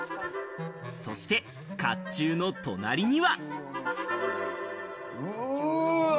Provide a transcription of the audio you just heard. そして甲冑の隣には。